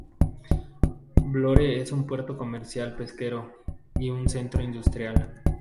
Vlorë es un puerto comercial, pesquero y un centro industrial.